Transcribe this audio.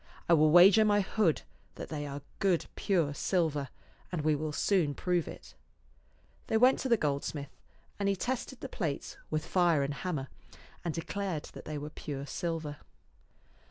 I will wager my hood that they are good pure silver, and we will soon prove it." They went to the goldsmith, and he tested the plates 214 ^§e Canon'0 VtomaW$ ^ak with fire and hammer, and declared that they were pure silver.